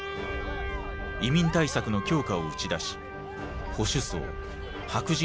移民対策の強化を打ち出し保守層白人